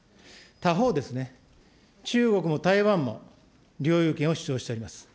他方、中国も台湾も、領有権を主張しております。